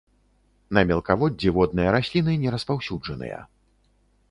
На мелкаводдзі водныя расліны не распаўсюджаныя.